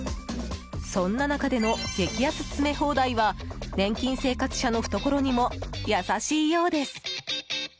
そんな中での激安詰め放題は年金生活者の懐にも優しいようです。